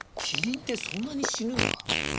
キリンってそんなに死ぬのか？